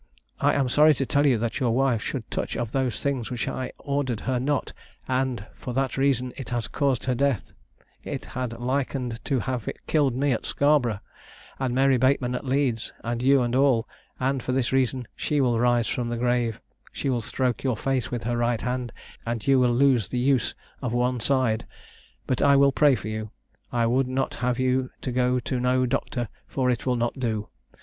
I am sorry to tell you that your wife should touch of those things which I ordered her not, and for that reason it has caused her death; it had likened to have killed me at Scarborough, and Mary Bateman at Leeds, and you and all, and for this reason, she will rise from the grave, she will stroke your face with her right hand, and you will lose the use of one side, but I will pray for you. I would not have you to go to no doctor, for it will not do.